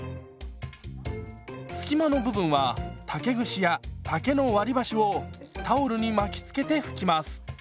隙間の部分は竹串や竹の割り箸をタオルに巻きつけて拭きます。